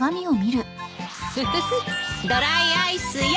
フフフッドライアイスよ。